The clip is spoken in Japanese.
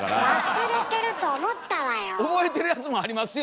忘れてると思ったわよ。